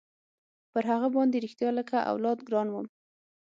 پر هغه باندې رښتيا لكه اولاد ګران وم.